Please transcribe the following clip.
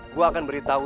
gua akan beritahu